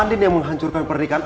ending yang menghancurkan pernikahan